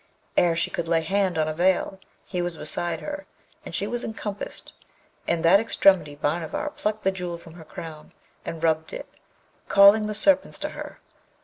Ere she could lay hand on a veil, he was beside her, and she was encompassed. In that extremity Bhanavar plucked the Jewel from her crown, and rubbed it, calling the Serpents to her.